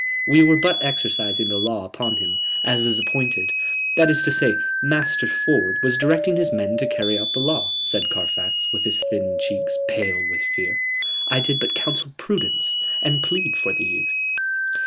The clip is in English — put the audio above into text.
We were but exercising the law upon him, as is appointed.... That is to say, Master Ford was directing his men to carry out the law," said Carfax, with his thin cheeks pale with fear. "I did but counsel prudence, and plead for the youth."